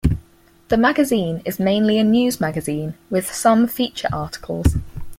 The magazine is mainly a news magazine, with some feature articles.